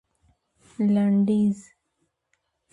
لنډيز